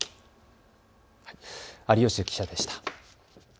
有吉記者でした。